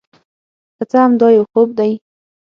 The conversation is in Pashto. که څه هم دا یو خوب دی،